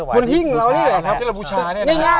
บนหิ้งเรานี่เลยครับ